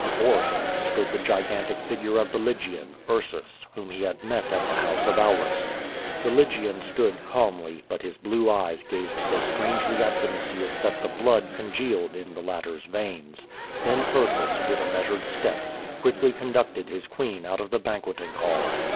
Before him stood the gigan tic figure of the Lygian, Ursus, whom he had met at the house of Aulus. The Lygian stood calmly, but his blue eyes gazed so strangely at A'initius that the blood congealed in the latter's veins. Then Ursus, with a measured step, quietly conducted his queen out of the banqueting hall.